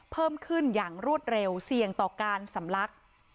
เพิ่มขึ้นอย่างรวดเร็วเสี่ยงต่อการสำลัก